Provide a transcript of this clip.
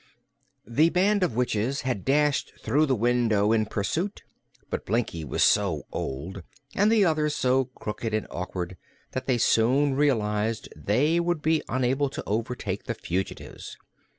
The band of witches had dashed through the window in pursuit; but Blinkie was so old, and the others so crooked and awkward, that they soon realized they would be unable to overtake the fugitives.